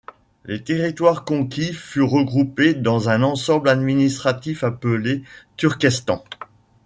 Les territoires conquis furent regroupés dans un ensemble administratif appelé Turkestan.